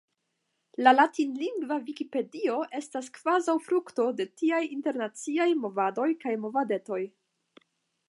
La latinlingva Vikipedio estas kvazaŭ frukto de tiaj internaciaj movadoj kaj movadetoj.